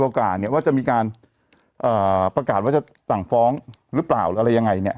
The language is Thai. ๒๐โอกาสว่าจะมีการประกาศว่าจะต่างฟ้องหรือเปล่าอะไรยังไง